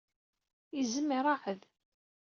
Izem iṛeɛɛed.